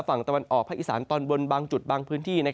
ฝั่งตะวันออกภาคอีสานตอนบนบางจุดบางพื้นที่